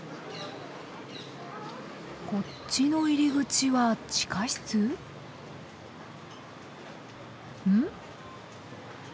こっちの入り口は地下室？ん？